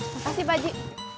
makasih pak ji